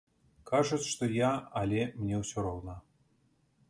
Кажуць, што я, але мне ўсё роўна.